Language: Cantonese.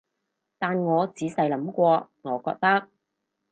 但我仔細諗過，我覺得